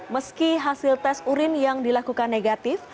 meski hasil tes urin yang dilakukan negatif